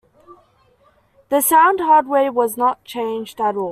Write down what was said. The sound hardware was not changed at all.